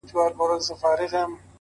نظم لږ اوږد دی امید لرم چي وې لولی.